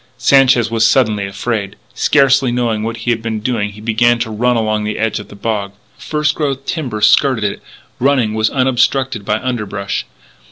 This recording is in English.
Sanchez was suddenly afraid. Scarcely knowing what he was doing he began to run along the edge of the bog. First growth timber skirted it; running was unobstructed by underbrush.